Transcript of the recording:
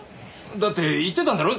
だって言ってたんだろ？